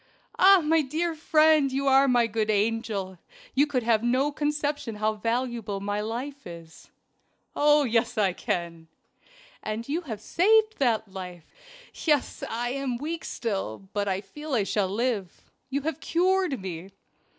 "Ah! my dear friend, you are my good angel you can have no conception how valuable my life is." "Oh, yes, I can!" "And you have saved that life. Yes! I am weak still, but I feel I shall live. You have cured me."